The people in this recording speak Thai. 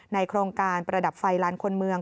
โครงการประดับไฟลานคนเมือง